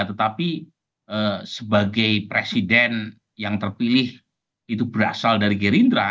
tetapi sebagai presiden yang terpilih itu berasal dari gerindra